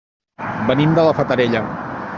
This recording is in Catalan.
Venim de la Fatarella.